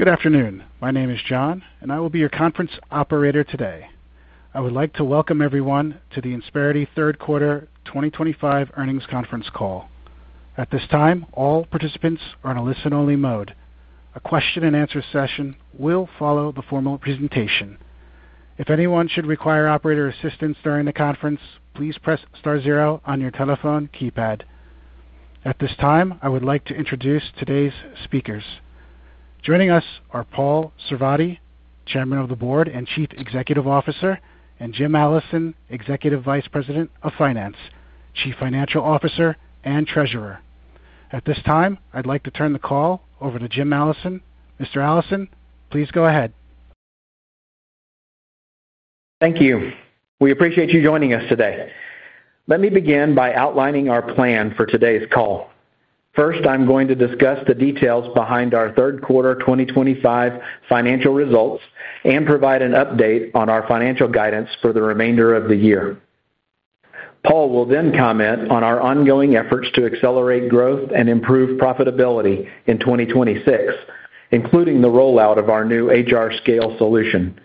Good afternoon. My name is John, and I will be your conference operator today. I would like to welcome everyone to the Insperity third Quarter 2025 earnings eonference call. At this time, all participants are in a listen-only mode. A question-and-answer session will follow the formal presentation. If anyone should require operator assistance during the conference, please press star zero on your telephone keypad. At this time, I would like to introduce today's speakers. Joining us are Paul Sarvadi, Chairman of the Board and Chief Executive Officer, and Jim Allison, Executive Vice President of Finance, Chief Financial Officer, and Treasurer. At this time, I'd like to turn the call over to Jim Allison. Mr. Allison, please go ahead. Thank you. We appreciate you joining us today. Let me begin by outlining our plan for today's call. First, I'm going to discuss the details behind our third quarter 2025 financial results and provide an update on our financial guidance for the remainder of the year. Paul will then comment on our ongoing efforts to accelerate growth and improve profitability in 2026, including the rollout of our new HRScale solution.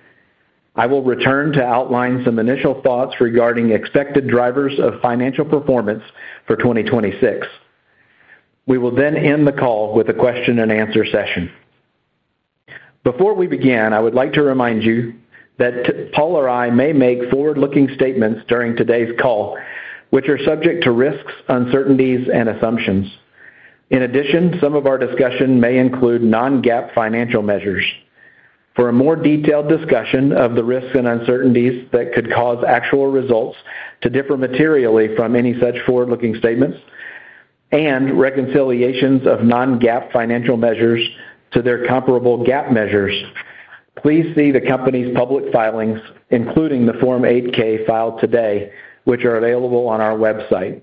I will return to outline some initial thoughts regarding expected drivers of financial performance for 2026. We will then end the call with a question-and-answer session. Before we begin, I would like to remind you that Paul or I may make forward-looking statements during today's call, which are subject to risks, uncertainties, and assumptions. In addition, some of our discussion may include non-GAAP financial measures. For a more detailed discussion of the risks and uncertainties that could cause actual results to differ materially from any such forward-looking statements, and reconciliations of non-GAAP financial measures to their comparable GAAP measures, please see the company's public filings, including the Form 8-K filed today, which are available on our website.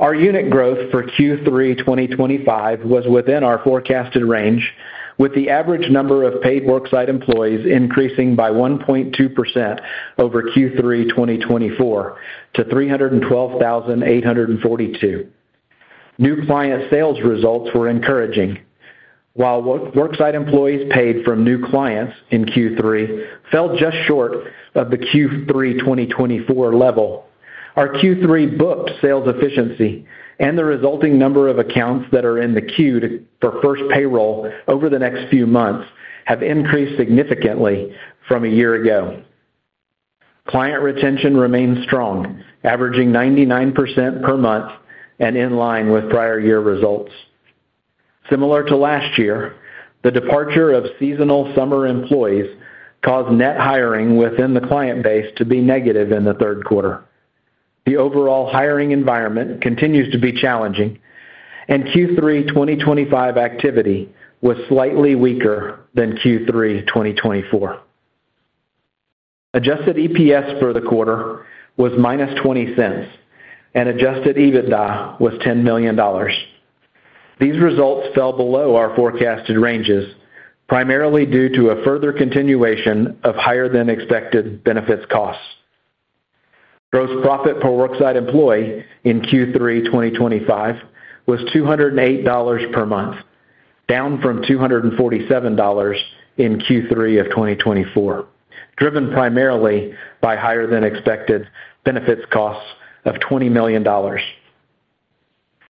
Our unit growth for Q3 2025 was within our forecasted range, with the average number of paid worksite employees increasing by 1.2% over Q3 2024 to 312,842. New client sales results were encouraging. While worksite employees paid from new clients in Q3 fell just short of the Q3 2024 level, our Q3 booked sales efficiency and the resulting number of accounts that are in the queue for first payroll over the next few months have increased significantly from a year ago. Client retention remains strong, averaging 99% per month and in line with prior year results. Similar to last year, the departure of seasonal summer employees caused net hiring within the client base to be negative in the third quarter. The overall hiring environment continues to be challenging, and Q3 2025 activity was slightly weaker than Q3 2024. Adjusted EPS for the quarter was -$0.20, and adjusted EBITDA was $10 million. These results fell below our forecasted ranges, primarily due to a further continuation of higher-than-expected benefits costs. Gross profit per worksite employee in Q3 2025 was $208 per month, down from $247 in Q3 of 2024, driven primarily by higher-than-expected benefits costs of $20 million.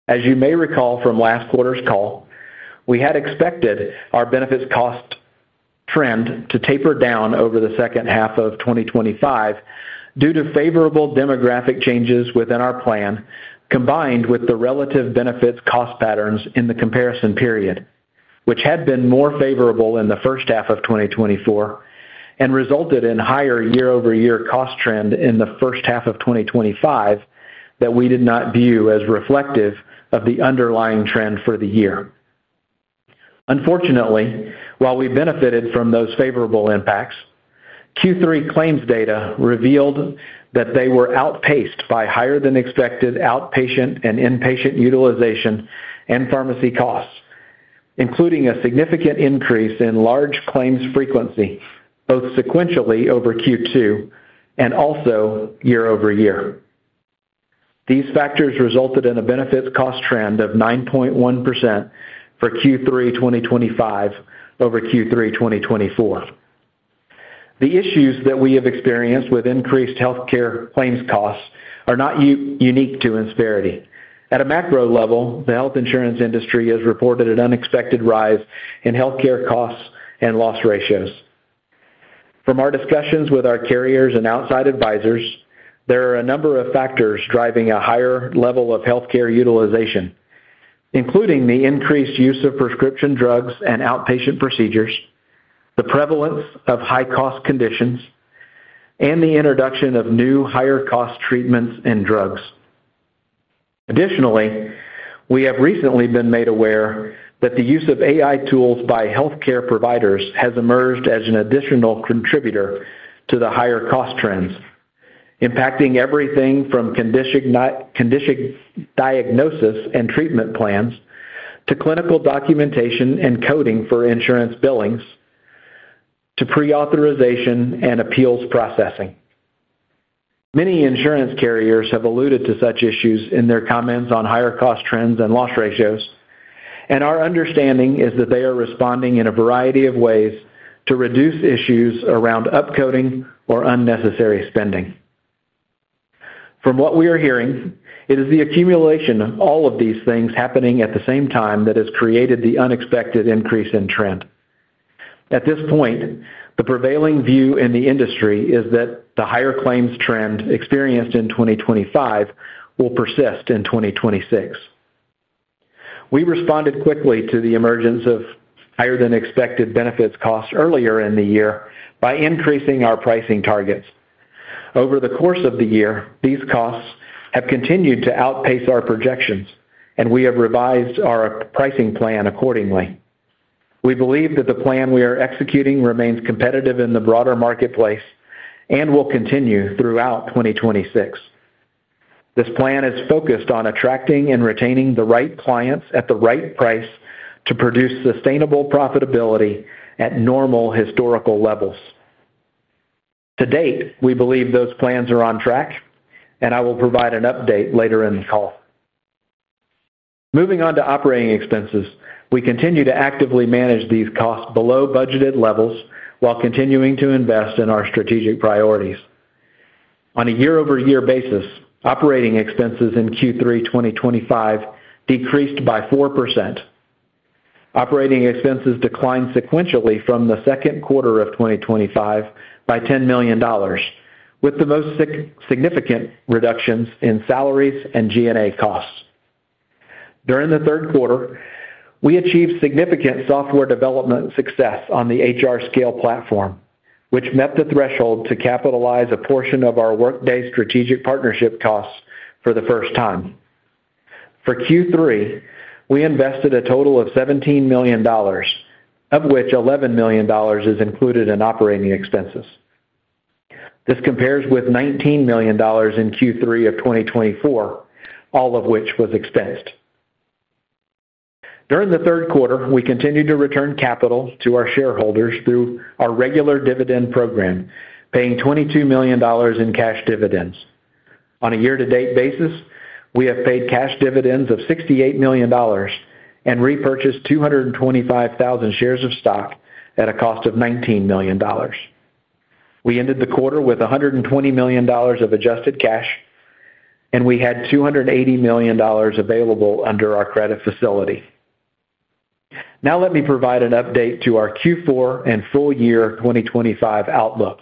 As you may recall from last quarter's call, we had expected our benefits cost trend to taper down over the second half of 2025 due to favorable demographic changes within our plan combined with the relative benefits cost patterns in the comparison period, which had been more favorable in the first half of 2024 and resulted in a higher year-over-year cost trend in the first half of 2025 that we did not view as reflective of the underlying trend for the year. Unfortunately, while we benefited from those favorable impacts, Q3 claims data revealed that they were outpaced by higher-than-expected outpatient and inpatient utilization and pharmacy costs, including a significant increase in large claims frequency, both sequentially over Q2 and also year-over-year. These factors resulted in a benefits cost trend of 9.1% for Q3 2025 over Q3 2024. The issues that we have experienced with increased healthcare claims costs are not unique to Insperity. At a macro level, the health insurance industry has reported an unexpected rise in healthcare costs and loss ratios. From our discussions with our carriers and outside advisors, there are a number of factors driving a higher level of healthcare utilization, including the increased use of prescription drugs and outpatient procedures, the prevalence of high-cost conditions, and the introduction of new, higher-cost treatments and drugs. Additionally, we have recently been made aware that the use of AI tools by healthcare providers has emerged as an additional contributor to the higher-cost trends, impacting everything from condition diagnosis and treatment plans to clinical documentation and coding for insurance billings, to pre-authorization and appeals processing. Many insurance carriers have alluded to such issues in their comments on higher-cost trends and loss ratios, and our understanding is that they are responding in a variety of ways to reduce issues around upcoding or unnecessary spending. From what we are hearing, it is the accumulation of all of these things happening at the same time that has created the unexpected increase in trend. At this point, the prevailing view in the industry is that the higher claims trend experienced in 2025 will persist in 2026. We responded quickly to the emergence of higher-than-expected benefits costs earlier in the year by increasing our pricing targets. Over the course of the year, these costs have continued to outpace our projections, and we have revised our pricing plan accordingly. We believe that the plan we are executing remains competitive in the broader marketplace and will continue throughout 2026. This plan is focused on attracting and retaining the right clients at the right price to produce sustainable profitability at normal historical levels. To date, we believe those plans are on track, and I will provide an update later in the call. Moving on to operating expenses, we continue to actively manage these costs below budgeted levels while continuing to invest in our strategic priorities. On a year-over-year basis, operating expenses in Q3 2025 decreased by 4%. Operating expenses declined sequentially from the second quarter of 2025 by $10 million, with the most significant reductions in salaries and G&A costs. During the third quarter, we achieved significant software development success on the HRScale platform, which met the threshold to capitalize a portion of our Workday strategic partnership costs for the first time. For Q3, we invested a total of $17 million, of which $11 million is included in operating expenses. This compares with $19 million in Q3 of 2024, all of which was expensed. During the third quarter, we continued to return capital to our shareholders through our regular dividend program, paying $22 million in cash dividends. On a year-to-date basis, we have paid cash dividends of $68 million. We repurchased 225,000 shares of stock at a cost of $19 million. We ended the quarter with $120 million of adjusted cash. We had $280 million available under our credit facility. Now let me provide an update to our Q4 and full year 2025 outlook.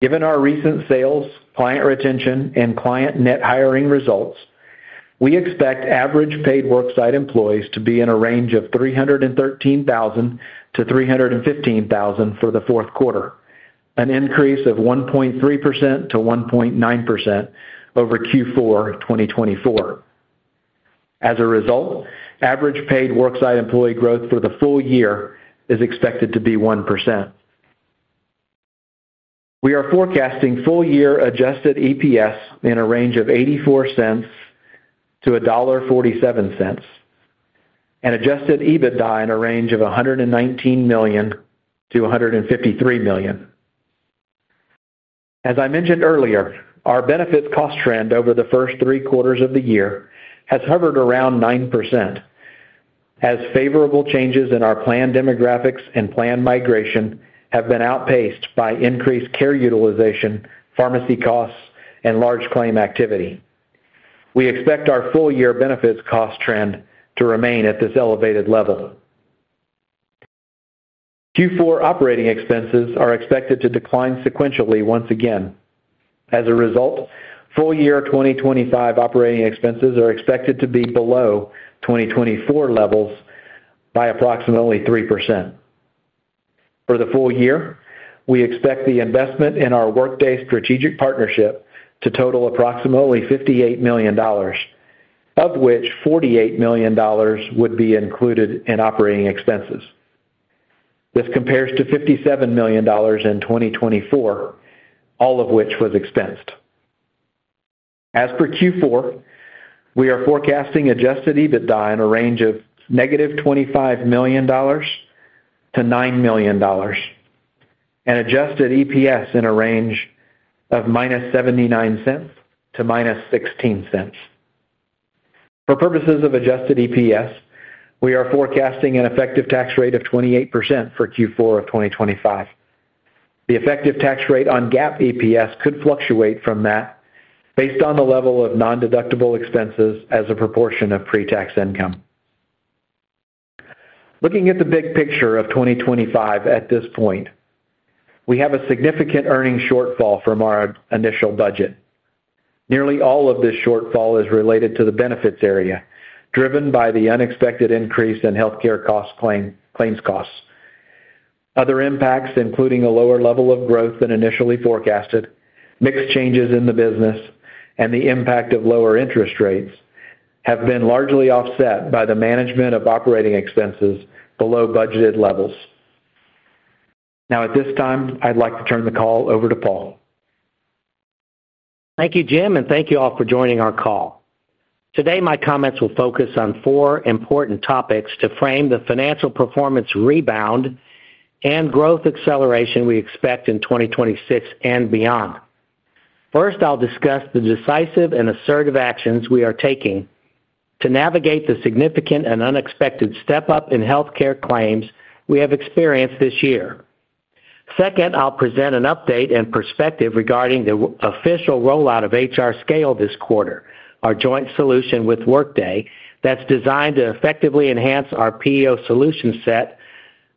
Given our recent sales, client retention, and client net hiring results, we expect average paid worksite employees to be in a range of 313,000-315,000 for the fourth quarter, an increase of 1.3%-1.9% over Q4 2024. As a result, average paid worksite employee growth for the full year is expected to be 1%. We are forecasting full year adjusted EPS in a range of $0.84-$1.47 and adjusted EBITDA in a range of $119 million-$153 million. As I mentioned earlier, our benefits cost trend over the first three quarters of the year has hovered around 9%, as favorable changes in our plan demographics and plan migration have been outpaced by increased care utilization, pharmacy costs, and large claim activity. We expect our full year benefits cost trend to remain at this elevated level. Q4 operating expenses are expected to decline sequentially once again. As a result, full year 2025 operating expenses are expected to be below 2024 levels by approximately 3%. For the full year, we expect the investment in our Workday strategic partnership to total approximately $58 million, of which $48 million would be included in operating expenses. This compares to $57 million in 2024, all of which was expensed. As for Q4, we are forecasting adjusted EBITDA in a range of negative $25 million to $9 million and adjusted EPS in a range of -$0.79 to -$0.16. For purposes of adjusted EPS, we are forecasting an effective tax rate of 28% for Q4 of 2025. The effective tax rate on GAAP EPS could fluctuate from that based on the level of non-deductible expenses as a proportion of pre-tax income. Looking at the big picture of 2025 at this point, we have a significant earnings shortfall from our initial budget. Nearly all of this shortfall is related to the benefits area, driven by the unexpected increase in healthcare claims costs. Other impacts, including a lower level of growth than initially forecasted, mix changes in the business, and the impact of lower interest rates have been largely offset by the management of operating expenses below budgeted levels. At this time, I'd like to turn the call over to Paul. Thank you, Jim, and thank you all for joining our call. Today, my comments will focus on four important topics to frame the financial performance rebound and growth acceleration we expect in 2026 and beyond. First, I'll discuss the decisive and assertive actions we are taking to navigate the significant and unexpected step-up in healthcare claims we have experienced this year. Second, I'll present an update and perspective regarding the official rollout of HRScale this quarter, our joint solution with Workday that's designed to effectively enhance our PEO solution set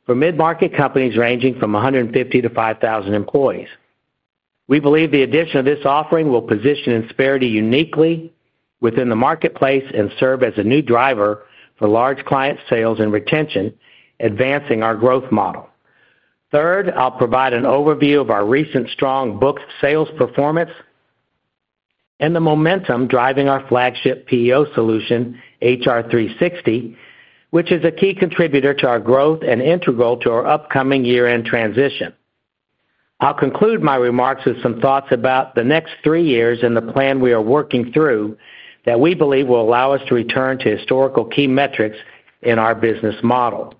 for mid-market companies ranging from 150 to 5,000 employees. We believe the addition of this offering will position Insperity uniquely within the marketplace and serve as a new driver for large client sales and retention, advancing our growth model. Third, I'll provide an overview of our recent strong booked sales performance. The momentum driving our flagship PEO solution, HR360, which is a key contributor to our growth and integral to our upcoming year-end transition. I'll conclude my remarks with some thoughts about the next three years and the plan we are working through that we believe will allow us to return to historical key metrics in our business model.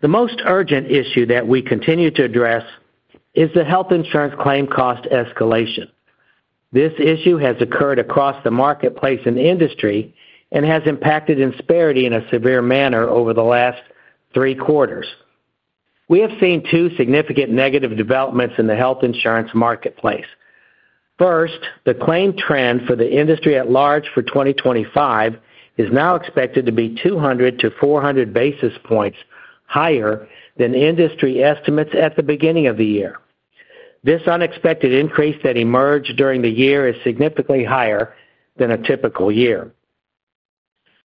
The most urgent issue that we continue to address is the health insurance claim cost escalation. This issue has occurred across the marketplace and industry and has impacted Insperity in a severe manner over the last three quarters. We have seen two significant negative developments in the health insurance marketplace. First, the claim trend for the industry at large for 2025 is now expected to be 200-400 basis points higher than industry estimates at the beginning of the year. This unexpected increase that emerged during the year is significantly higher than a typical year.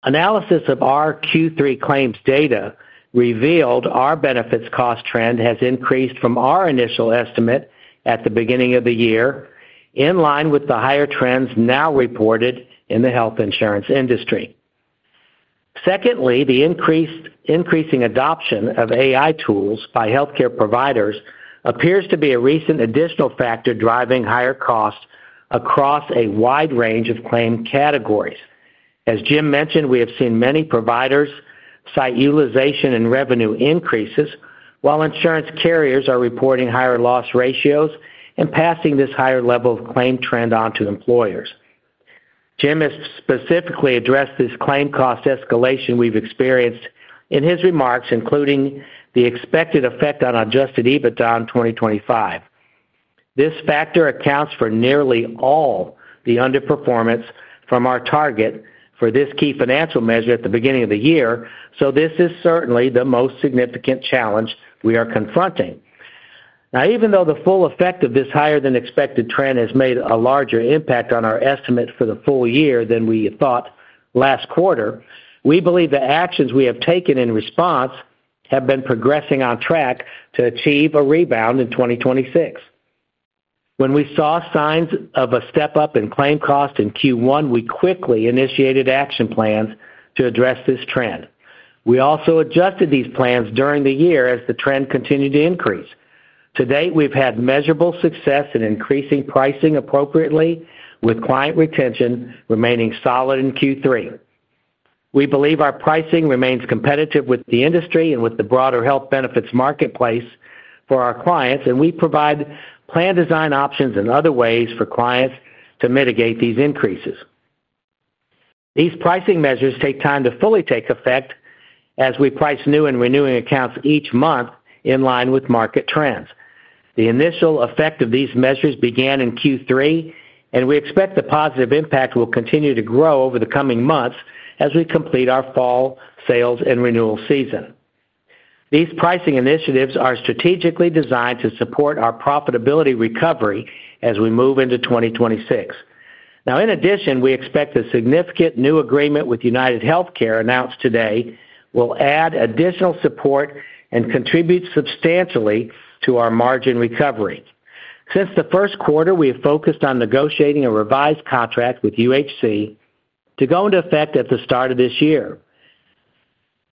Analysis of our Q3 claims data revealed our benefits cost trend has increased from our initial estimate at the beginning of the year, in line with the higher trends now reported in the health insurance industry. Secondly, the increasing adoption of AI tools by healthcare providers appears to be a recent additional factor driving higher costs across a wide range of claim categories. As Jim mentioned, we have seen many providers cite utilization and revenue increases, while insurance carriers are reporting higher loss ratios and passing this higher level of claim trend on to employers. Jim has specifically addressed this claim cost escalation we've experienced in his remarks, including the expected effect on adjusted EBITDA in 2025. This factor accounts for nearly all the underperformance from our target for this key financial measure at the beginning of the year, so this is certainly the most significant challenge we are confronting. Now, even though the full effect of this higher-than-expected trend has made a larger impact on our estimate for the full year than we thought last quarter, we believe the actions we have taken in response have been progressing on track to achieve a rebound in 2026. When we saw signs of a step-up in claim cost in Q1, we quickly initiated action plans to address this trend. We also adjusted these plans during the year as the trend continued to increase. To date, we've had measurable success in increasing pricing appropriately, with client retention remaining solid in Q3. We believe our pricing remains competitive with the industry and with the broader health benefits marketplace for our clients, and we provide plan design options and other ways for clients to mitigate these increases. These pricing measures take time to fully take effect as we price new and renewing accounts each month in line with market trends. The initial effect of these measures began in Q3, and we expect the positive impact will continue to grow over the coming months as we complete our fall sales and renewal season. These pricing initiatives are strategically designed to support our profitability recovery as we move into 2026. Now, in addition, we expect a significant new agreement with UnitedHealthcare announced today will add additional support and contribute substantially to our margin recovery. Since the first quarter, we have focused on negotiating a revised contract with UHC to go into effect at the start of this year.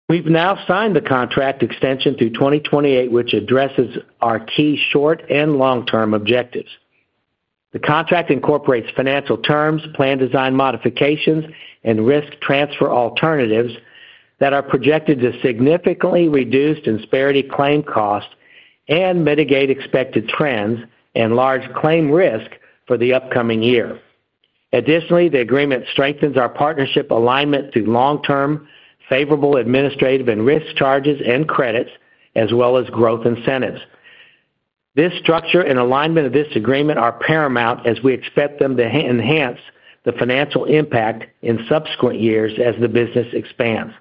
We've now signed the contract extension through 2028, which addresses our key short and long-term objectives. The contract incorporates financial terms, plan design modifications, and risk transfer alternatives that are projected to significantly reduce Insperity claim costs and mitigate expected trends and large claim risk for the upcoming year. Additionally, the agreement strengthens our partnership alignment through long-term favorable administrative and risk charges and credits, as well as growth incentives. This structure and alignment of this agreement are paramount as we expect them to enhance the financial impact in subsequent years as the business expands.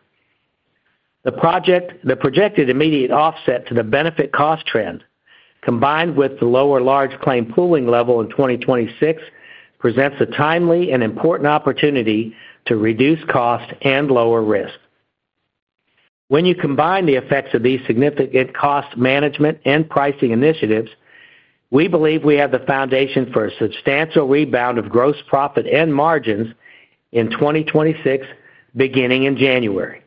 The projected immediate offset to the benefit cost trend, combined with the lower large claim pooling level in 2026, presents a timely and important opportunity to reduce costs and lower risk. When you combine the effects of these significant cost management and pricing initiatives, we believe we have the foundation for a substantial rebound of gross profit and margins in 2026, beginning in January.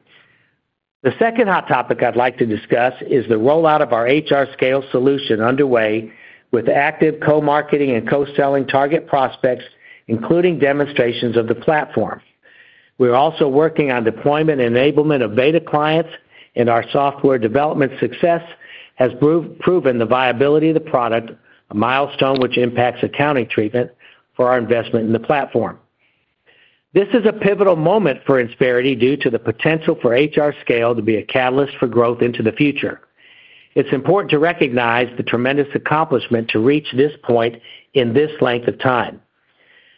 The second hot topic I'd like to discuss is the rollout of our HRScale solution underway with active co-marketing and co-selling target prospects, including demonstrations of the platform. We're also working on deployment and enablement of beta clients, and our software development success has proven the viability of the product, a milestone which impacts accounting treatment for our investment in the platform. This is a pivotal moment for Insperity due to the potential for HRScale to be a catalyst for growth into the future. It's important to recognize the tremendous accomplishment to reach this point in this length of time.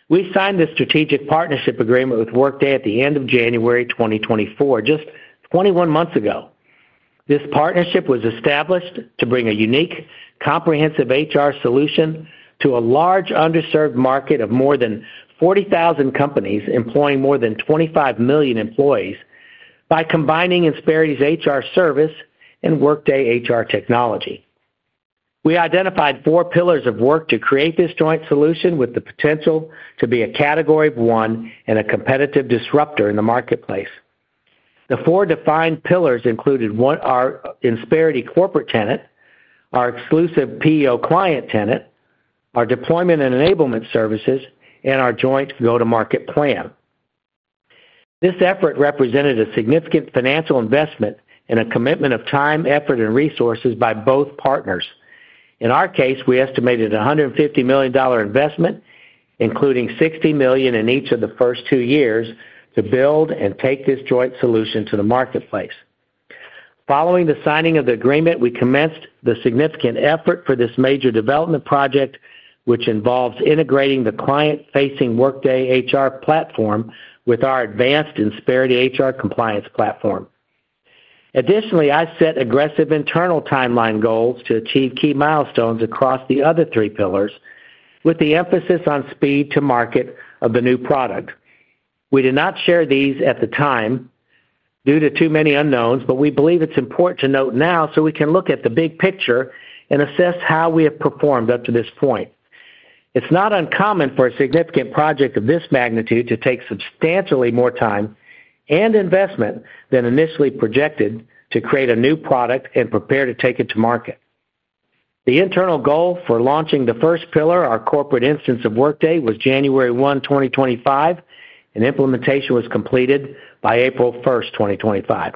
We signed the strategic partnership agreement with Workday at the end of January 2024, just 21 months ago. This partnership was established to bring a unique, comprehensive HR solution to a large underserved market of more than 40,000 companies employing more than 25 million employees by combining Insperity's HR service and Workday HR technology. We identified four pillars of work to create this joint solution with the potential to be a category one and a competitive disruptor in the marketplace. The four defined pillars included our Insperity corporate tenant, our exclusive PEO client tenant, our deployment and enablement services, and our joint go-to-market plan. This effort represented a significant financial investment and a commitment of time, effort, and resources by both partners. In our case, we estimated a $150 million investment, including $60 million in each of the first two years, to build and take this joint solution to the marketplace. Following the signing of the agreement, we commenced the significant effort for this major development project, which involves integrating the client-facing Workday HR platform with our advanced Insperity HR compliance platform. Additionally, I set aggressive internal timeline goals to achieve key milestones across the other three pillars, with the emphasis on speed to market of the new product. We did not share these at the time due to too many unknowns, but we believe it's important to note now so we can look at the big picture and assess how we have performed up to this point. It's not uncommon for a significant project of this magnitude to take substantially more time and investment than initially projected to create a new product and prepare to take it to market. The internal goal for launching the first pillar, our corporate instance of Workday, was January 1, 2025, and implementation was completed by April 1, 2025.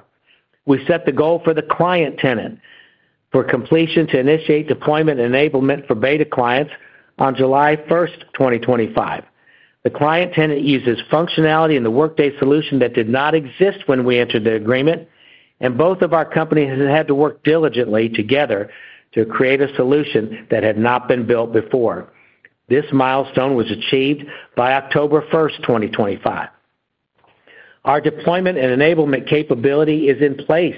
We set the goal for the client tenant for completion to initiate deployment and enablement for beta clients on July 1, 2025. The client tenant uses functionality in the Workday solution that did not exist when we entered the agreement, and both of our companies had to work diligently together to create a solution that had not been built before. This milestone was achieved by October 1, 2025. Our deployment and enablement capability is in place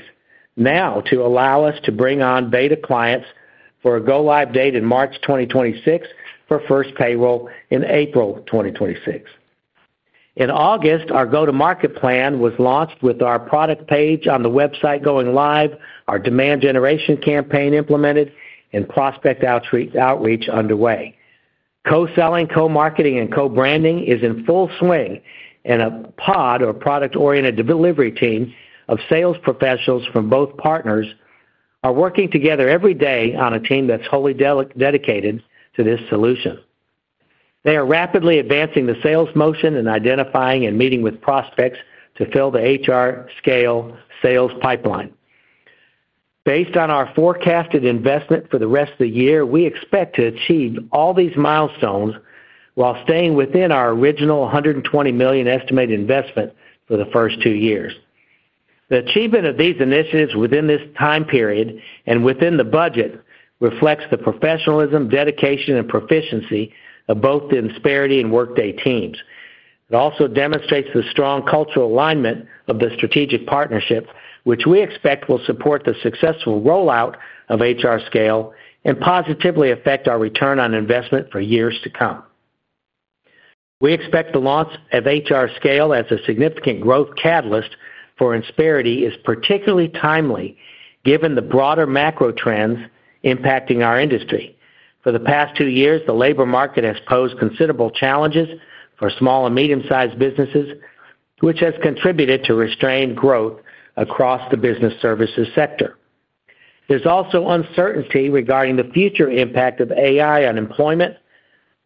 now to allow us to bring on beta clients for a go-live date in March 2026 for first payroll in April 2026. In August, our go-to-market plan was launched with our product page on the website going live, our demand generation campaign implemented, and prospect outreach underway. Co-selling, co-marketing, and co-branding is in full swing, and a pod or product-oriented delivery team of sales professionals from both partners are working together every day on a team that's wholly dedicated to this solution. They are rapidly advancing the sales motion and identifying and meeting with prospects to fill the HRScale sales pipeline. Based on our forecasted investment for the rest of the year, we expect to achieve all these milestones while staying within our original $120 million estimated investment for the first two years. The achievement of these initiatives within this time period and within the budget reflects the professionalism, dedication, and proficiency of both the Insperity and Workday teams. It also demonstrates the strong cultural alignment of the strategic partnership, which we expect will support the successful rollout of HRScale and positively affect our return on investment for years to come. We expect the launch of HRScale as a significant growth catalyst for Insperity is particularly timely given the broader macro trends impacting our industry. For the past two years, the labor market has posed considerable challenges for small and medium-sized businesses, which has contributed to restrained growth across the business services sector. There is also uncertainty regarding the future impact of AI on employment,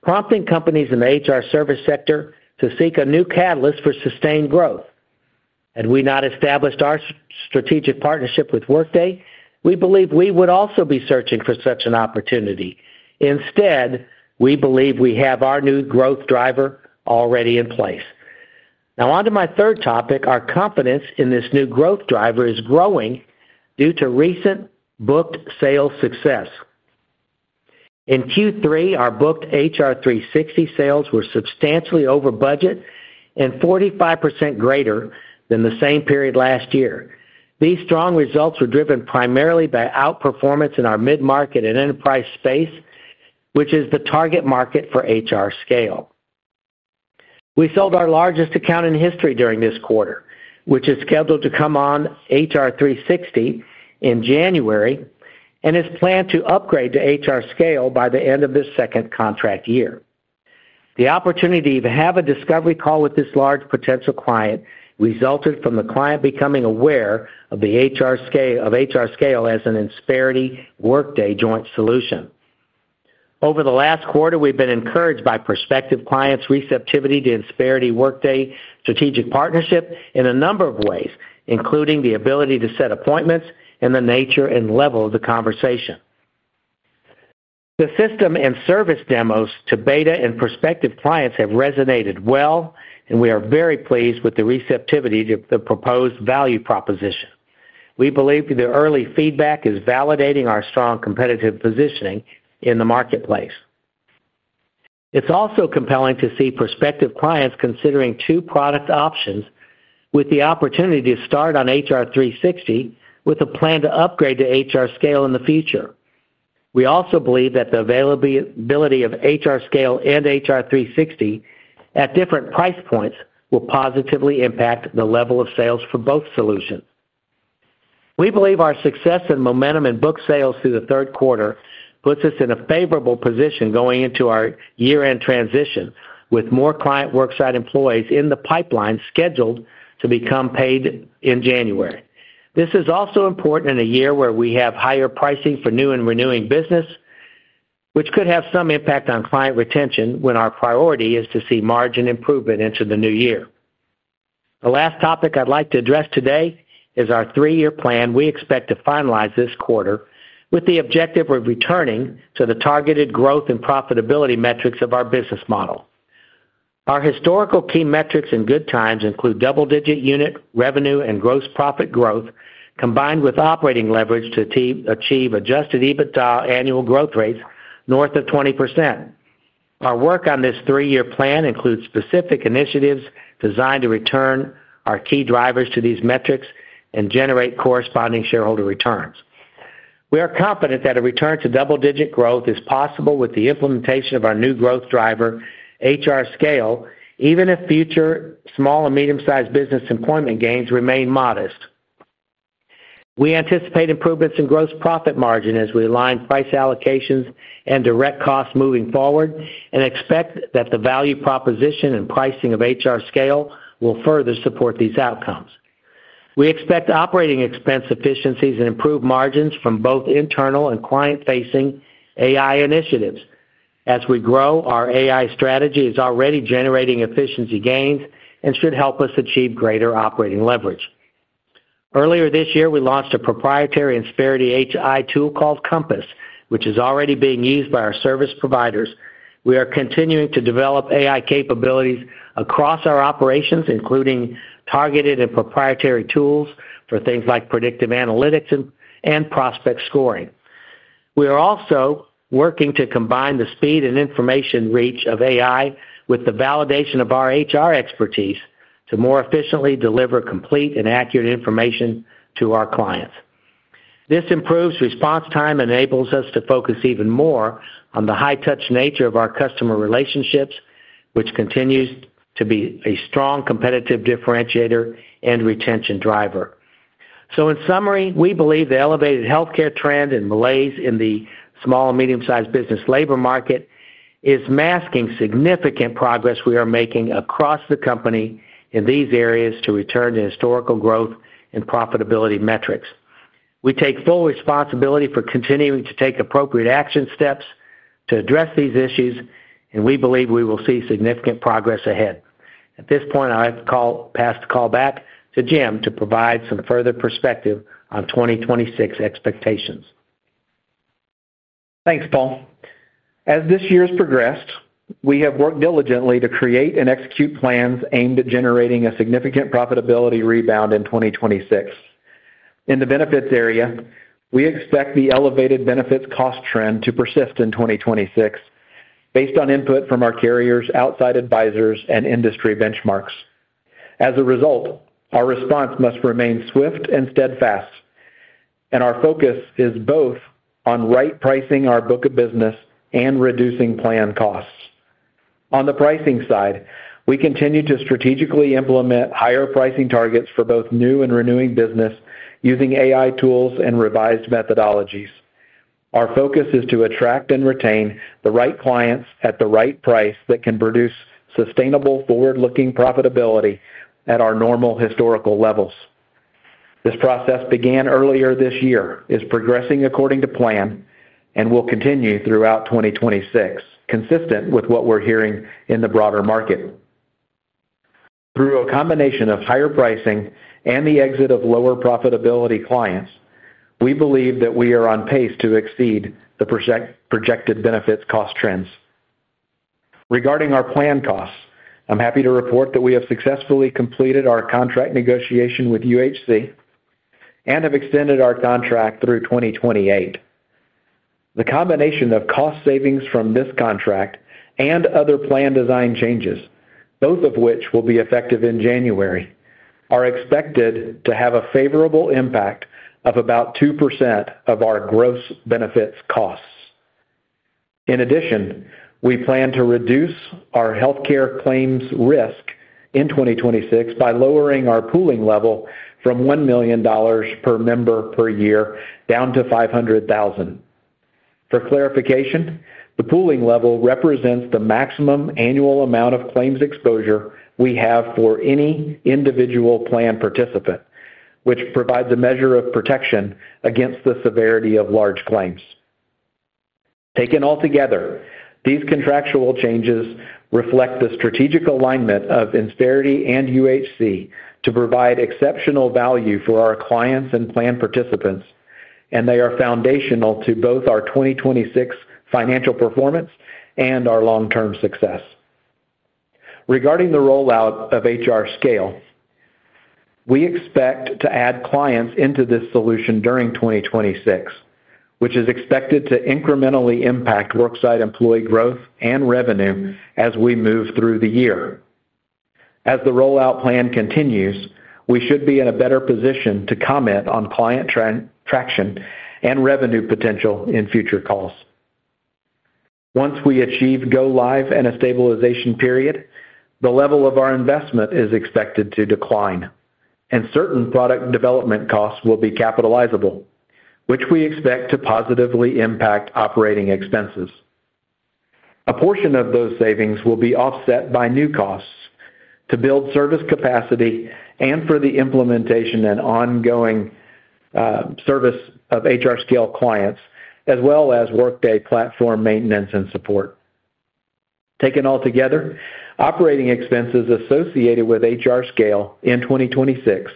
prompting companies in the HR service sector to seek a new catalyst for sustained growth. Had we not established our strategic partnership with Workday, we believe we would also be searching for such an opportunity. Instead, we believe we have our new growth driver already in place. Now, onto my third topic, our confidence in this new growth driver is growing due to recent booked sales success. In Q3, our booked HR360 sales were substantially over budget and 45% greater than the same period last year. These strong results were driven primarily by outperformance in our mid-market and enterprise space, which is the target market for HRScale. We sold our largest account in history during this quarter, which is scheduled to come on HR360 in January, and is planned to upgrade to HRScale by the end of this second contract year. The opportunity to have a discovery call with this large potential client resulted from the client becoming aware of the HRScale as an Insperity Workday joint solution. Over the last quarter, we have been encouraged by prospective clients' receptivity to Insperity-Workday strategic partnership in a number of ways, including the ability to set appointments and the nature and level of the conversation. The system and service demos to beta and prospective clients have resonated well, and we are very pleased with the receptivity to the proposed value proposition. We believe the early feedback is validating our strong competitive positioning in the marketplace. It is also compelling to see prospective clients considering two product options with the opportunity to start on HR360 with a plan to upgrade to HRScale in the future. We also believe that the availability of HRScale and HR360 at different price points will positively impact the level of sales for both solutions. We believe our success and momentum in booked sales through the third quarter puts us in a favorable position going into our year-end transition, with more client worksite employees in the pipeline scheduled to become paid in January. This is also important in a year where we have higher pricing for new and renewing business, which could have some impact on client retention when our priority is to see margin improvement into the new year. The last topic I would like to address today is our three-year plan. We expect to finalize this quarter with the objective of returning to the targeted growth and profitability metrics of our business model. Our historical key metrics in good times include double-digit unit revenue and gross profit growth, combined with operating leverage to achieve adjusted EBITDA annual growth rates north of 20%. Our work on this three-year plan includes specific initiatives designed to return our key drivers to these metrics and generate corresponding shareholder returns. We are confident that a return to double-digit growth is possible with the implementation of our new growth driver, HRScale, even if future small and medium-sized business employment gains remain modest. We anticipate improvements in gross profit margin as we align price allocations and direct costs moving forward and expect that the value proposition and pricing of HRScale will further support these outcomes. We expect operating expense efficiencies and improved margins from both internal and client-facing AI initiatives. As we grow, our AI strategy is already generating efficiency gains and should help us achieve greater operating leverage. Earlier this year, we launched a proprietary Insperity AI tool called Compass, which is already being used by our service providers. We are continuing to develop AI capabilities across our operations, including targeted and proprietary tools for things like predictive analytics and prospect scoring. We are also working to combine the speed and information reach of AI with the validation of our HR expertise to more efficiently deliver complete and accurate information to our clients. This improves response time and enables us to focus even more on the high-touch nature of our customer relationships, which continues to be a strong competitive differentiator and retention driver. In summary, we believe the elevated healthcare trend and malaise in the small and medium-sized business labor market is masking significant progress we are making across the company in these areas to return to historical growth and profitability metrics. We take full responsibility for continuing to take appropriate action steps to address these issues, and we believe we will see significant progress ahead. At this point, I'd pass the call back to Jim to provide some further perspective on 2026 expectations. Thanks, Paul. As this year has progressed, we have worked diligently to create and execute plans aimed at generating a significant profitability rebound in 2026. In the benefits area, we expect the elevated benefits cost trend to persist in 2026, based on input from our carriers, outside advisors, and industry benchmarks. As a result, our response must remain swift and steadfast. Our focus is both on right pricing our book of business and reducing plan costs. On the pricing side, we continue to strategically implement higher pricing targets for both new and renewing business using AI tools and revised methodologies. Our focus is to attract and retain the right clients at the right price that can produce sustainable forward-looking profitability at our normal historical levels. This process began earlier this year, is progressing according to plan, and will continue throughout 2026, consistent with what we're hearing in the broader market. Through a combination of higher pricing and the exit of lower profitability clients, we believe that we are on pace to exceed the projected benefits cost trends. Regarding our planned costs, I'm happy to report that we have successfully completed our contract negotiation with UHC and have extended our contract through 2028. The combination of cost savings from this contract and other plan design changes, both of which will be effective in January, are expected to have a favorable impact of about 2% of our gross benefits costs. In addition, we plan to reduce our healthcare claims risk in 2026 by lowering our pooling level from $1 million per member per year down to $500,000. For clarification, the pooling level represents the maximum annual amount of claims exposure we have for any individual plan participant, which provides a measure of protection against the severity of large claims. Taken altogether, these contractual changes reflect the strategic alignment of Insperity and UHC to provide exceptional value for our clients and plan participants, and they are foundational to both our 2026 financial performance and our long-term success. Regarding the rollout of HRScale, we expect to add clients into this solution during 2026, which is expected to incrementally impact worksite employee growth and revenue as we move through the year. As the rollout plan continues, we should be in a better position to comment on client traction and revenue potential in future calls. Once we achieve go-live and a stabilization period, the level of our investment is expected to decline, and certain product development costs will be capitalizable, which we expect to positively impact operating expenses. A portion of those savings will be offset by new costs to build service capacity and for the implementation and ongoing service of HRScale clients, as well as Workday platform maintenance and support. Taken altogether, operating expenses associated with HRScale in 2026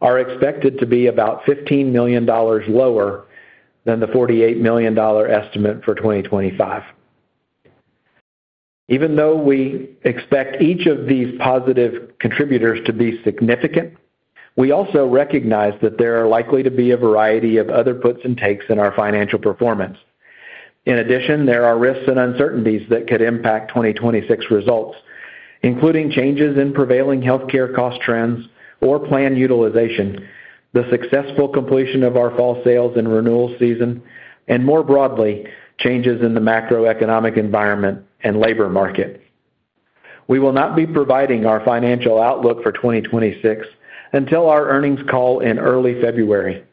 are expected to be about $15 million lower than the $48 million estimate for 2025. Even though we expect each of these positive contributors to be significant, we also recognize that there are likely to be a variety of other puts and takes in our financial performance. In addition, there are risks and uncertainties that could impact 2026 results, including changes in prevailing healthcare cost trends or plan utilization, the successful completion of our fall sales and renewal season, and more broadly, changes in the macroeconomic environment and labor market. We will not be providing our financial outlook for 2026 until our earnings call in early February.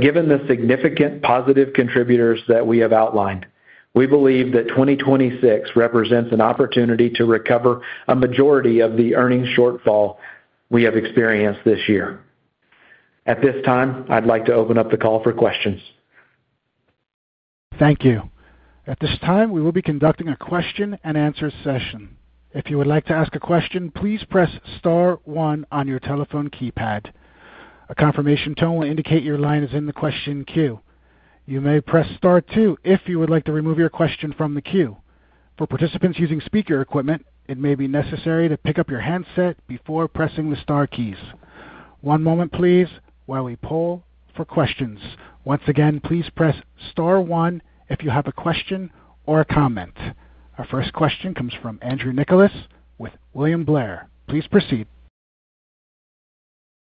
Given the significant positive contributors that we have outlined, we believe that 2026 represents an opportunity to recover a majority of the earnings shortfall we have experienced this year. At this time, I'd like to open up the call for questions. Thank you. At this time, we will be conducting a question-and-answer session. If you would like to ask a question, please press star one on your telephone keypad. A confirmation tone will indicate your line is in the question queue. You may press star two if you would like to remove your question from the queue. For participants using speaker equipment, it may be necessary to pick up your handset before pressing the star keys. One moment, please, while we poll for questions. Once again, please press star one if you have a question or a comment. Our first question comes from Andrew Nicholas with William Blair. Please proceed.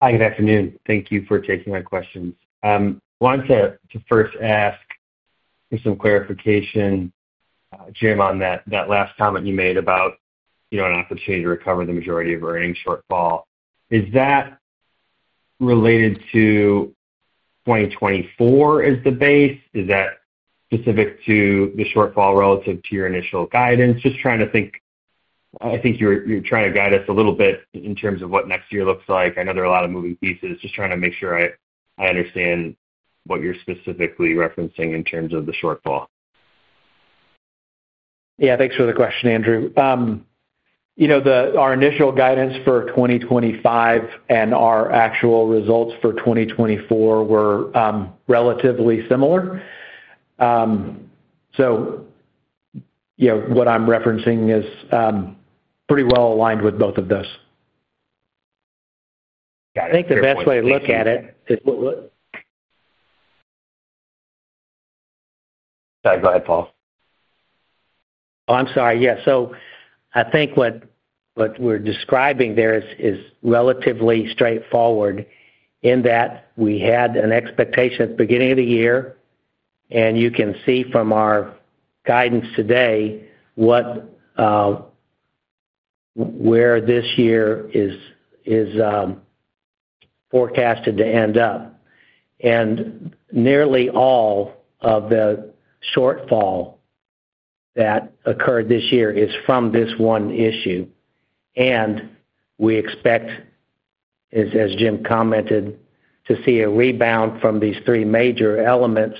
Hi, good afternoon. Thank you for taking my questions. I wanted to first ask for some clarification. Jim, on that last comment you made about an opportunity to recover the majority of earnings shortfall. Is that related to 2024 as the base? Is that specific to the shortfall relative to your initial guidance? Just trying to think. I think you're trying to guide us a little bit in terms of what next year looks like. I know there are a lot of moving pieces. Just trying to make sure I understand what you're specifically referencing in terms of the shortfall. Yeah, thanks for the question, Andrew. Our initial guidance for 2025 and our actual results for 2024 were relatively similar. So what I'm referencing is pretty well aligned with both of those. I think the best way to look at it is— Sorry, go ahead, Paul. Oh, I'm sorry. Yeah. I think what we're describing there is relatively straightforward in that we had an expectation at the beginning of the year, and you can see from our guidance today where this year is forecasted to end up. Nearly all of the shortfall that occurred this year is from this one issue. We expect, as Jim commented, to see a rebound from these three major elements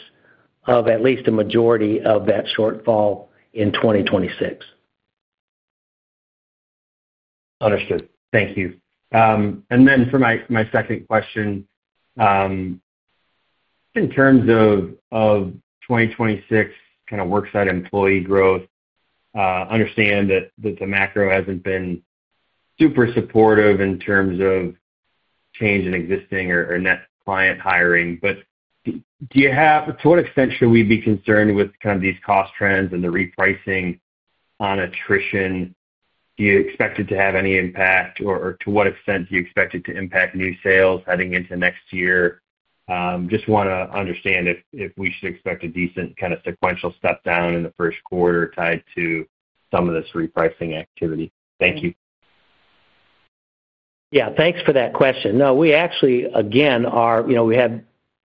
of at least a majority of that shortfall in 2026. Understood. Thank you. And then for my second question, in terms of 2026 kind of worksite employee growth, I understand that the macro hasn't been super supportive in terms of change in existing or net client hiring. To what extent should we be concerned with kind of these cost trends and the repricing on attrition? Do you expect it to have any impact, or to what extent do you expect it to impact new sales heading into next year? Just want to understand if we should expect a decent kind of sequential step down in the first quarter tied to some of this repricing activity. Thank you. Yeah, thanks for that question. No, we actually, again, we have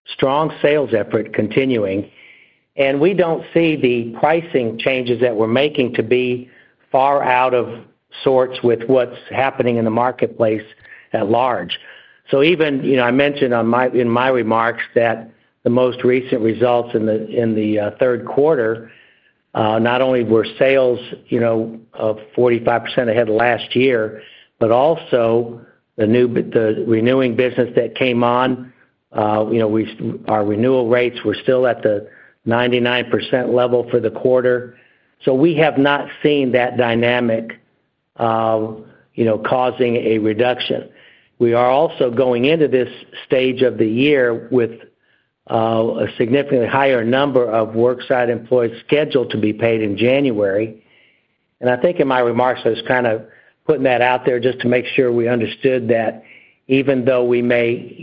strong sales effort continuing, and we don't see the pricing changes that we're making to be far out of sorts with what's happening in the marketplace at large. I mentioned in my remarks that the most recent results in the third quarter. Not only were sales 45% ahead of last year, but also the renewing business that came on. Our renewal rates were still at the 99% level for the quarter. We have not seen that dynamic causing a reduction. We are also going into this stage of the year with a significantly higher number of worksite employees scheduled to be paid in January. I think in my remarks, I was kind of putting that out there just to make sure we understood that even though we may,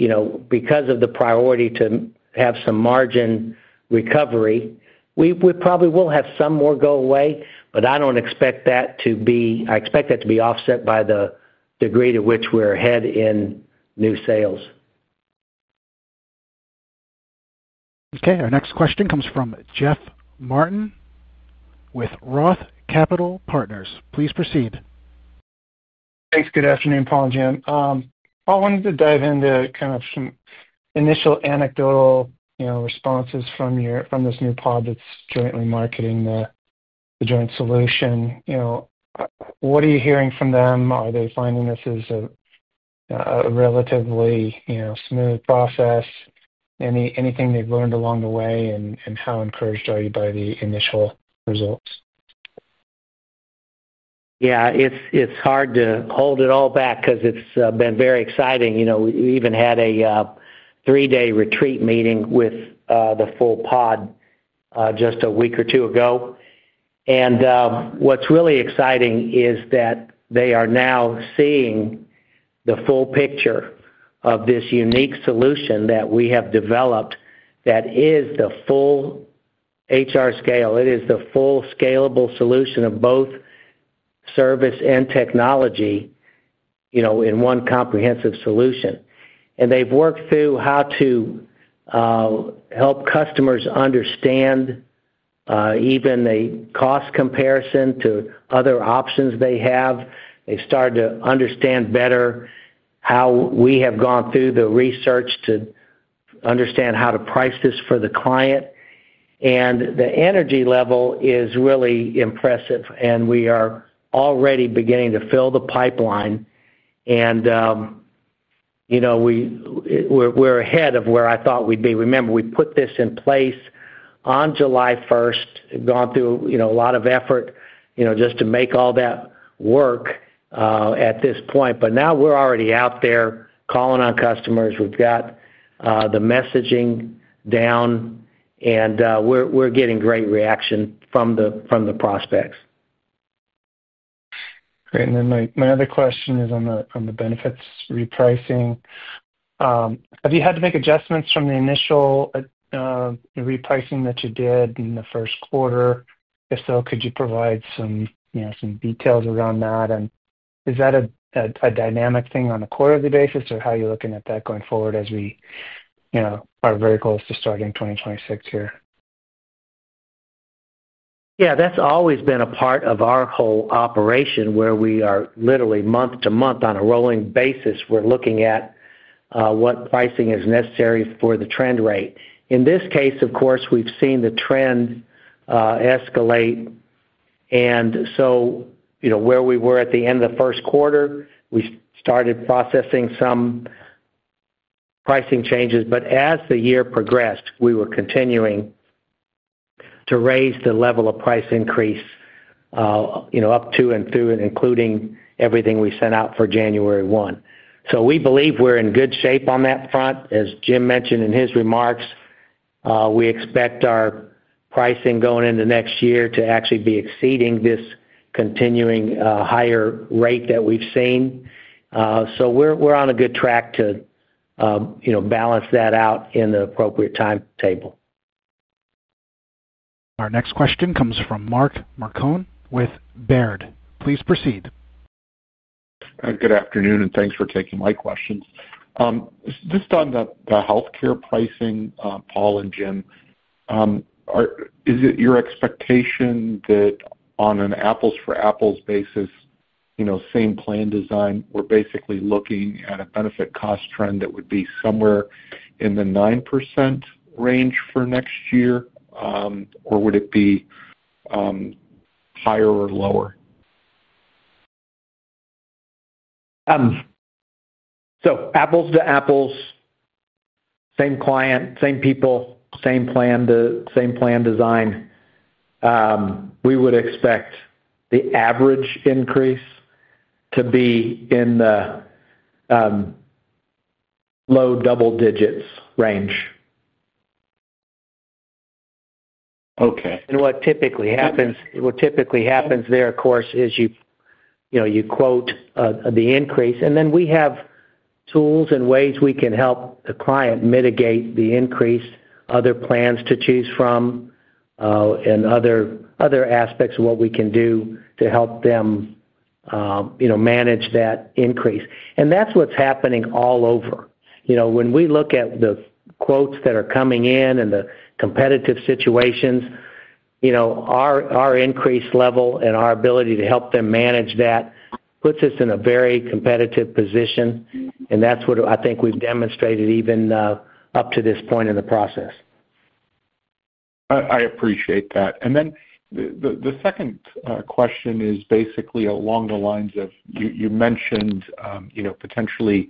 because of the priority to have some margin recovery, we probably will have some more go away, but I do not expect that to be—I expect that to be offset by the degree to which we are ahead in new sales. Okay. Our next question comes from Jeff Martin with Roth Capital Partners. Please proceed. Thanks. Good afternoon, Paul and Jim. Paul, I wanted to dive into kind of some initial anecdotal responses from this new pod that is jointly marketing the joint solution. What are you hearing from them? Are they finding this as a relatively smooth process? Anything they have learned along the way, and how encouraged are you by the initial results? Yeah, it is hard to hold it all back because it has been very exciting. We even had a three-day retreat meeting with the full pod just a week or two ago. What is really exciting is that they are now seeing the full picture of this unique solution that we have developed that is the full HRScale. It is the full scalable solution of both service and technology in one comprehensive solution. They have worked through how to help customers understand even the cost comparison to other options they have. They have started to understand better how we have gone through the research to understand how to price this for the client. The energy level is really impressive, and we are already beginning to fill the pipeline. We are ahead of where I thought we would be. Remember, we put this in place on July 1st, gone through a lot of effort just to make all that work at this point. Now we are already out there calling on customers. We have got the messaging down, and we are getting great reaction from the prospects. Great. My other question is on the benefits repricing. Have you had to make adjustments from the initial repricing that you did in the first quarter? If so, could you provide some details around that? Is that a dynamic thing on a quarterly basis, or how are you looking at that going forward as we are very close to starting 2026 here? Yeah, that has always been a part of our whole operation where we are literally month to month on a rolling basis. We are looking at what pricing is necessary for the trend rate. In this case, of course, we have seen the trend escalate. Where we were at the end of the first quarter, we started processing some pricing changes. As the year progressed, we were continuing to raise the level of price increase up to and through, including everything we sent out for January 1. We believe we're in good shape on that front. As Jim mentioned in his remarks, we expect our pricing going into next year to actually be exceeding this continuing higher rate that we've seen. We're on a good track to balance that out in the appropriate timetable. Our next question comes from Mark Marcon with Baird. Please proceed. Good afternoon, and thanks for taking my questions. Just on the healthcare pricing, Paul and Jim, is it your expectation that on an apples-for-apples basis, same plan design, we're basically looking at a benefit cost trend that would be somewhere in the 9% range for next year, or would it be higher or lower? Apples to apples, same client, same people, same plan design, we would expect the average increase to be in the low double-digits range. What typically happens there, of course, is you quote the increase, and then we have tools and ways we can help the client mitigate the increase, other plans to choose from, and other aspects of what we can do to help them manage that increase. That's what's happening all over. When we look at the quotes that are coming in and the competitive situations, our increase level and our ability to help them manage that puts us in a very competitive position. That's what I think we've demonstrated even up to this point in the process. I appreciate that. The second question is basically along the lines of you mentioned potentially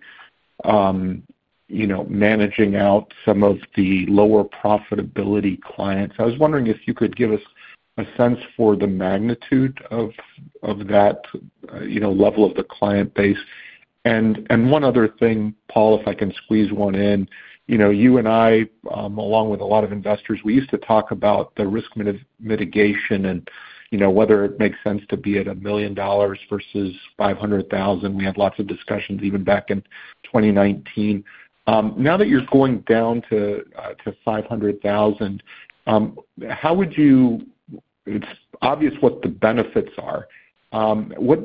managing out some of the lower profitability clients. I was wondering if you could give us a sense for the magnitude of that level of the client base. One other thing, Paul, if I can squeeze one in. You and I, along with a lot of investors, we used to talk about the risk mitigation and whether it makes sense to be at $1 million versus $500,000. We had lots of discussions even back in 2019. Now that you're going down to $500,000, how would you—it's obvious what the benefits are—what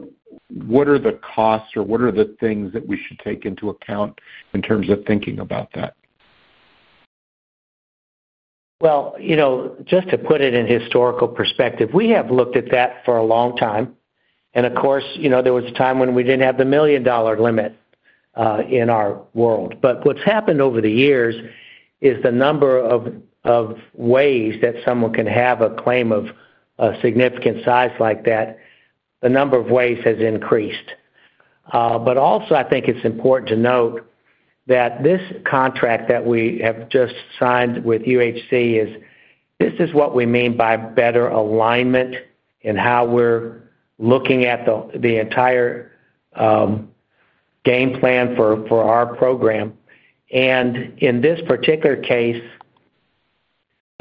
are the costs or what are the things that we should take into account in terms of thinking about that? Just to put it in historical perspective, we have looked at that for a long time. There was a time when we didn't have the $1 million limit in our world. What's happened over the years is the number of ways that someone can have a claim of significant size like that, the number of ways has increased. But also, I think it's important to note that this contract that we have just signed with UHC is this is what we mean by better alignment and how we're looking at the entire game plan for our program. In this particular case,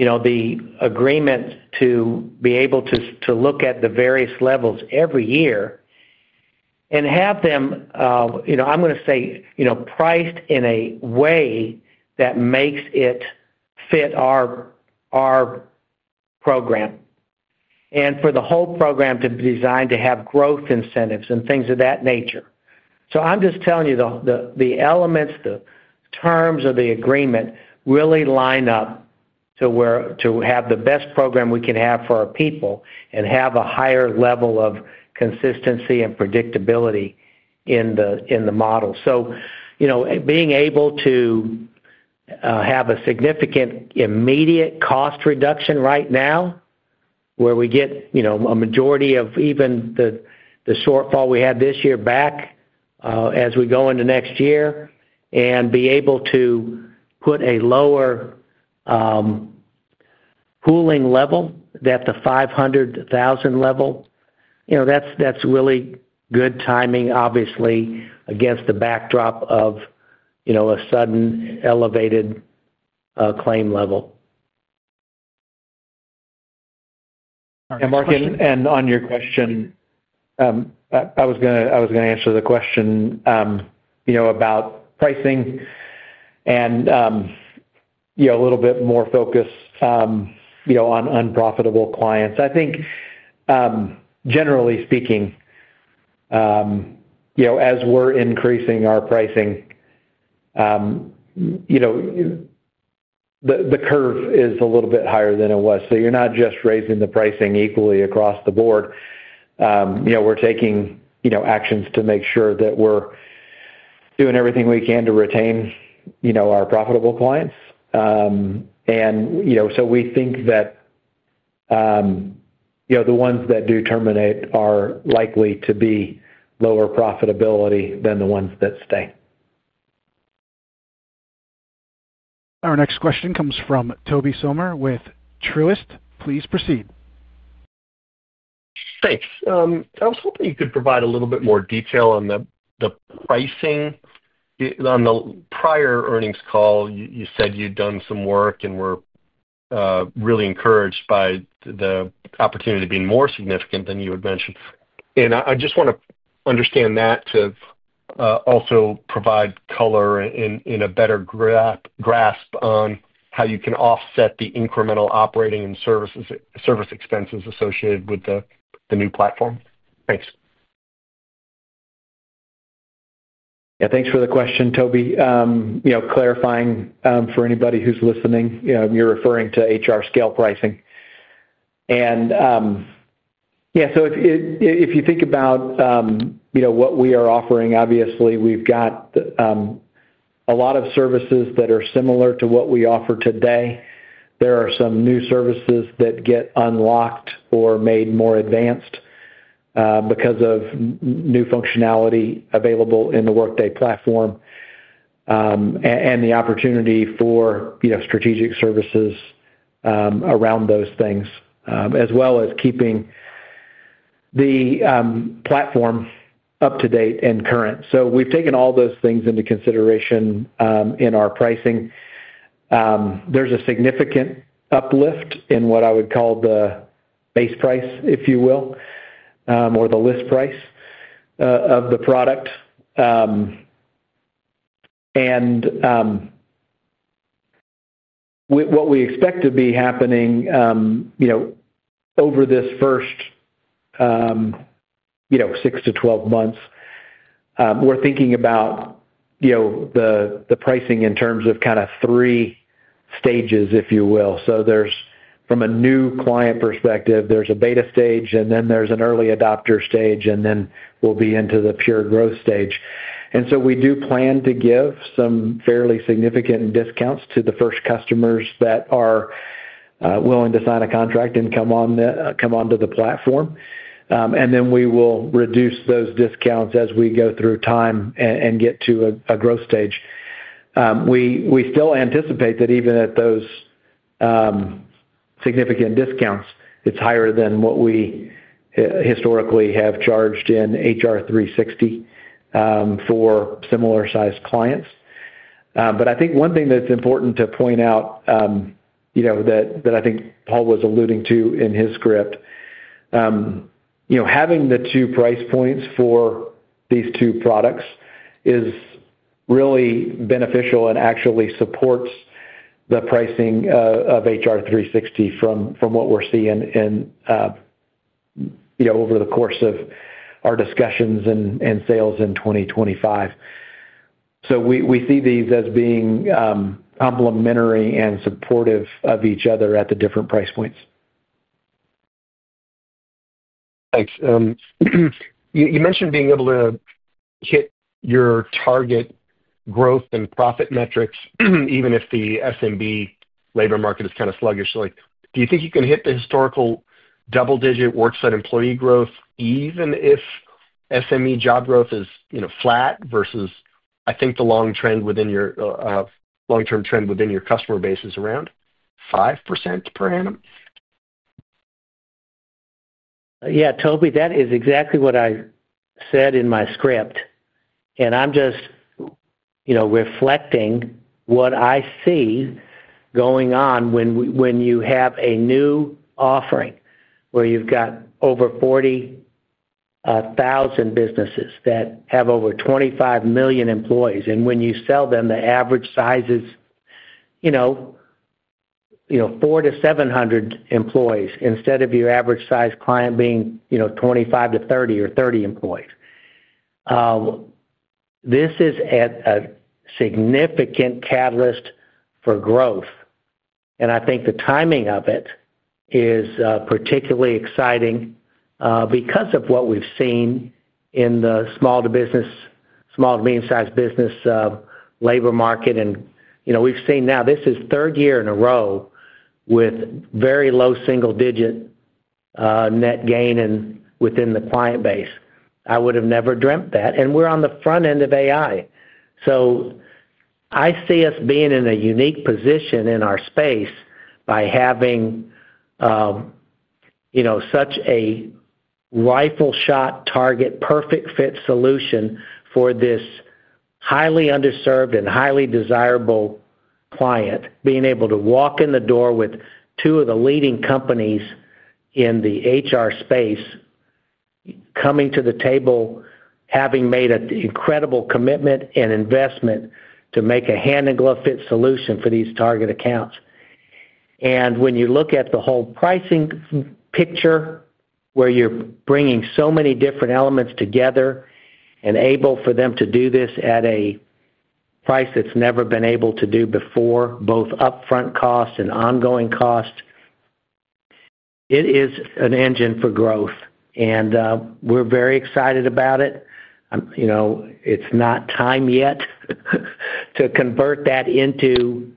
the agreement to be able to look at the various levels every year and have them, I'm going to say, priced in a way that makes it fit our program, and for the whole program to be designed to have growth incentives and things of that nature. I'm just telling you the elements, the terms of the agreement really line up to have the best program we can have for our people and have a higher level of consistency and predictability in the model. Being able to have a significant immediate cost reduction right now, where we get a majority of even the shortfall we had this year back as we go into next year and be able to put a lower pooling level, that the $500,000 level, that's really good timing, obviously, against the backdrop of a sudden elevated claim level. On your question, I was going to answer the question about pricing and a little bit more focus on unprofitable clients. I think, generally speaking, as we're increasing our pricing, the curve is a little bit higher than it was. You're not just raising the pricing equally across the board. We're taking actions to make sure that we're doing everything we can to retain our profitable clients. We think that the ones that do terminate are likely to be lower profitability than the ones that stay. Our next question comes from Tobey Sommer with Truist. Please proceed. Thanks. I was hoping you could provide a little bit more detail on the pricing. On the prior earnings call, you said you'd done some work, and were really encouraged by the opportunity to be more significant than you had mentioned. I just want to understand that to also provide color and a better grasp on how you can offset the incremental operating and service expenses associated with the new platform. Thanks. Yeah, thanks for the question, Tobey. Clarifying for anybody who's listening, you're referring to HRScale pricing. If you think about what we are offering, obviously, we've got a lot of services that are similar to what we offer today. There are some new services that get unlocked or made more advanced because of new functionality available in the Workday platform and the opportunity for strategic services around those things, as well as keeping the platform up to date and current. We've taken all those things into consideration in our pricing. There's a significant uplift in what I would call the base price, if you will, or the list price of the product. What we expect to be happening over this first 6-12 months, we're thinking about. The pricing in terms of kind of three stages, if you will. From a new client perspective, there is a beta stage, and then there is an early adopter stage, and then we will be into the pure growth stage. We do plan to give some fairly significant discounts to the first customers that are willing to sign a contract and come onto the platform. We will reduce those discounts as we go through time and get to a growth stage. We still anticipate that even at those significant discounts, it is higher than what we historically have charged in HR360 for similar-sized clients. I think one thing that is important to point out, that I think Paul was alluding to in his script, is having the two price points for these two products is really beneficial and actually supports the pricing of HR360 from what we are seeing over the course of our discussions and sales in 2025. We see these as being complementary and supportive of each other at the different price points. Thanks. You mentioned being able to hit your target growth and profit metrics, even if the SMB labor market is kind of sluggish. Do you think you can hit the historical double-digit WorkSite employee growth even if SME job growth is flat versus, I think, the long-term trend within your customer base is around 5% per annum? Yeah, Tobey, that is exactly what I said in my script. I am just reflecting what I see going on when you have a new offering where you have got over 40,000 businesses that have over 25 million employees. When you sell them, the average size is 4-700 employees instead of your average-sized client being 25-30 or 30 employees. This is a significant catalyst for growth. I think the timing of it is particularly exciting because of what we have seen in the small to medium-sized business labor market. We have seen now this is the third year in a row with very low single-digit net gain within the client base. I would have never dreamt that. We are on the front end of AI. I see us being in a unique position in our space by having such a rifle-shot target perfect fit solution for this highly underserved and highly desirable client, being able to walk in the door with two of the leading companies in the HR space. Coming to the table, having made an incredible commitment and investment to make a hand and glove fit solution for these target accounts. When you look at the whole pricing picture where you are bringing so many different elements together and able for them to do this at a price that has never been able to do before, both upfront cost and ongoing cost, it is an engine for growth. We are very excited about it. It is not time yet to convert that into.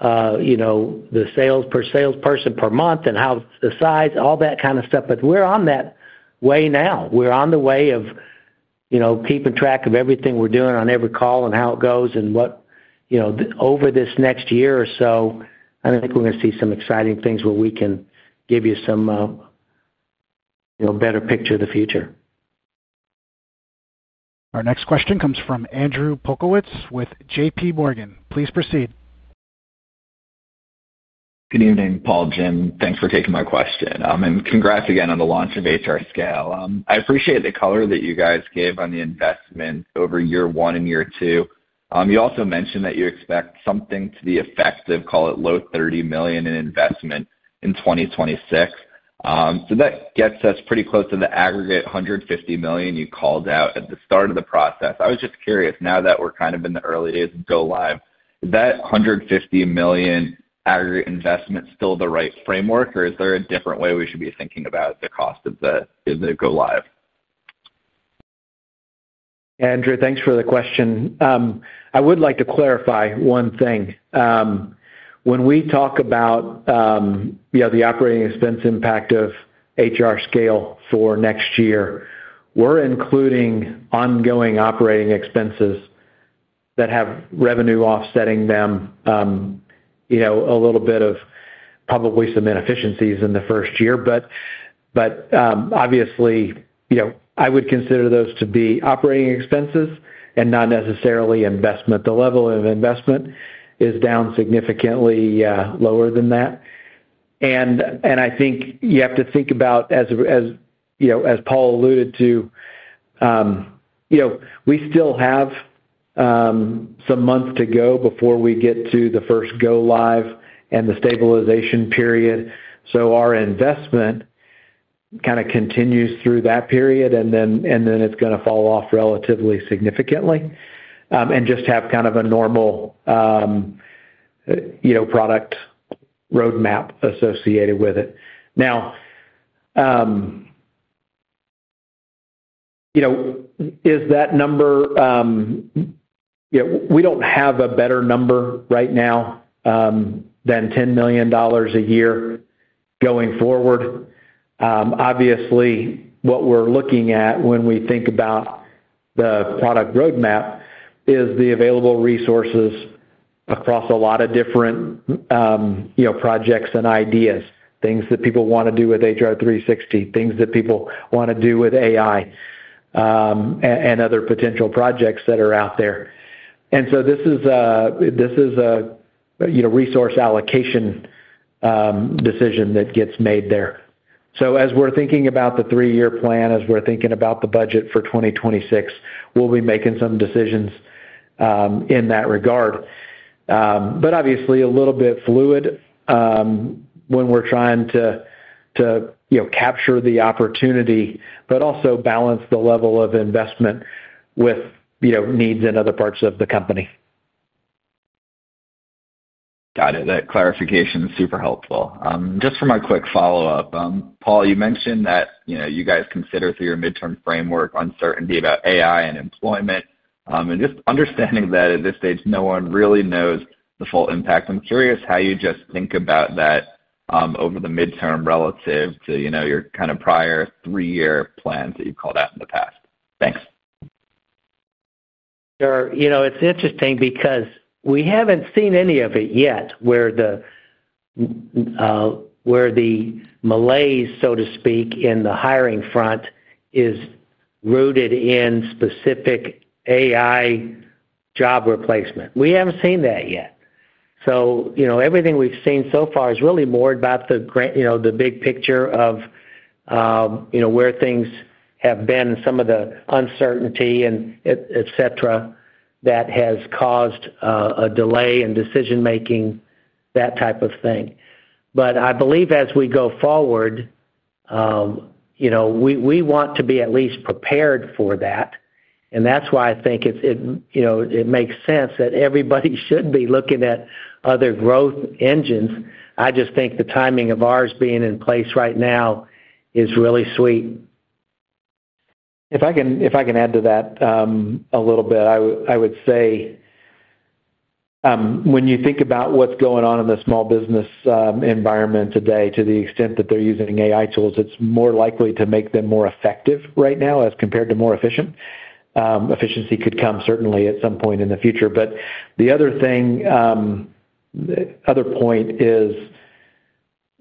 The sales per salesperson per month and how the size, all that kind of stuff. We are on that way now. We are on the way of keeping track of everything we are doing on every call and how it goes. Over this next year or so, I think we are going to see some exciting things where we can give you some better picture of the future. Our next question comes from Andrew Polkowitz with JPMorgan. Please proceed. Good evening, Paul, Jim. Thanks for taking my question. Congrats again on the launch of HRScale. I appreciate the color that you guys gave on the investment over year one and year two. You also mentioned that you expect something to the effect of, call it, low $30 million in investment in 2026. That gets us pretty close to the aggregate $150 million you called out at the start of the process. I was just curious, now that we are kind of in the early days of go live, is that $150 million aggregate investment still the right framework, or is there a different way we should be thinking about the cost of the go live? Andrew, thanks for the question. I would like to clarify one thing. When we talk about the operating expense impact of HRScale for next year, we are including ongoing operating expenses that have revenue offsetting them. A little bit of probably some inefficiencies in the first year. Obviously, I would consider those to be operating expenses and not necessarily investment. The level of investment is down significantly lower than that. I think you have to think about, as Paul alluded to, we still have some months to go before we get to the first go-live and the stabilization period. Our investment kind of continues through that period, and then it is going to fall off relatively significantly and just have kind of a normal product roadmap associated with it. Now, is that number—we do not have a better number right now than $10 million a year going forward. Obviously, what we are looking at when we think about the product roadmap is the available resources across a lot of different projects and ideas, things that people want to do with HR360, things that people want to do with AI, and other potential projects that are out there. This is a resource allocation decision that gets made there. As we are thinking about the three-year plan, as we are thinking about the budget for 2026, we will be making some decisions in that regard. Obviously, a little bit fluid when we are trying to capture the opportunity, but also balance the level of investment with needs in other parts of the company. Got it. That clarification is super helpful. Just for my quick follow-up, Paul, you mentioned that you guys consider through your midterm framework uncertainty about AI and employment. Just understanding that at this stage, no one really knows the full impact, I'm curious how you just think about that over the midterm relative to your kind of prior three-year plan that you've called out in the past. Thanks. Sure. It's interesting because we haven't seen any of it yet where the malaise, so to speak, in the hiring front is rooted in specific AI job replacement. We haven't seen that yet. Everything we've seen so far is really more about the big picture of where things have been and some of the uncertainty, etc., that has caused a delay in decision-making, that type of thing. I believe as we go forward, we want to be at least prepared for that. That's why I think it makes sense that everybody should be looking at other growth engines. I just think the timing of ours being in place right now is really sweet. If I can add to that a little bit, I would say when you think about what's going on in the small business environment today, to the extent that they're using AI tools, it's more likely to make them more effective right now as compared to more efficient. Efficiency could come certainly at some point in the future. The other thing, point is,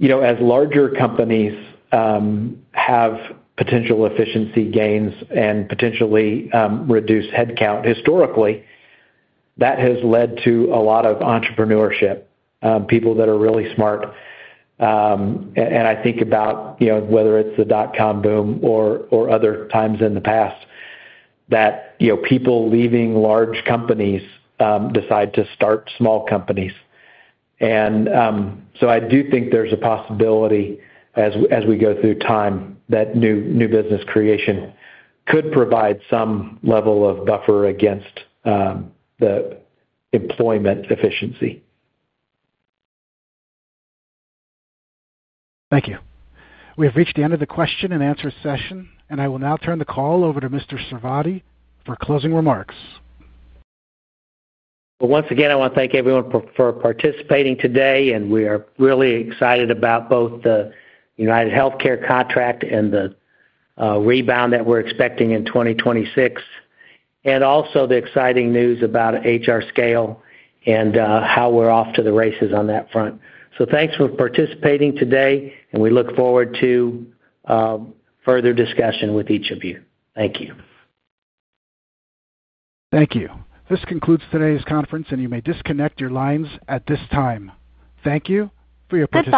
as larger companies have potential efficiency gains and potentially reduce headcount, historically, that has led to a lot of entrepreneurship, people that are really smart. I think about whether it's the dot-com boom or other times in the past that people leaving large companies decide to start small companies. I do think there's a possibility as we go through time that new business creation could provide some level of buffer against the employment efficiency. Thank you. We have reached the end of the question and answer session, and I will now turn the call over to Mr. Sarvadi for closing remarks. Once again, I want to thank everyone for participating today, and we are really excited about both the UnitedHealthcare contract and the rebound that we're expecting in 2026. Also, the exciting news about HRScale and how we're off to the races on that front. Thanks for participating today, and we look forward to further discussion with each of you. Thank you. Thank you. This concludes today's conference, and you may disconnect your lines at this time. Thank you for your participation.